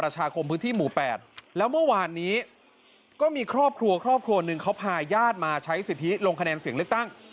พื้นที่หมู่๘แล้วเมื่อวานนี้ก็มีครอบครัวครอบครัวหนึ่งเขาพาญาติมาใช้สิทธิลงคะแนนเสียงเลือกตั้ง